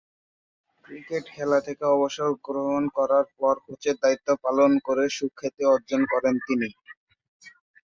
Cricket খেলা থেকে অবসর গ্রহণ করার পর কোচের দায়িত্ব পালন করে সুখ্যাতি অর্জন করেন তিনি।